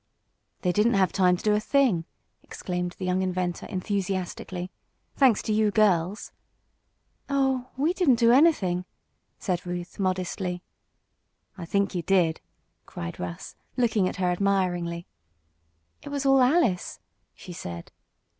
"They didn't have time to do a thing!" exclaimed the young inventor, enthusiastically. "Thanks to you girls." "Oh, we didn't do anything," said Ruth, modestly. "I think you did!" cried Russ, looking at her admiringly. "It was all Alice!" she said.